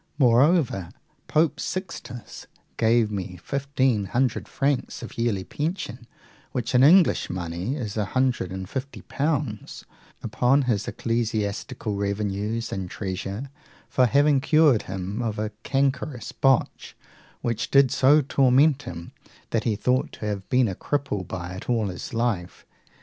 Moreover, Pope Sixtus gave me fifteen hundred francs of yearly pension, which in English money is a hundred and fifty pounds, upon his ecclesiastical revenues and treasure, for having cured him of a cankerous botch, which did so torment him that he thought to have been a cripple by it all his life.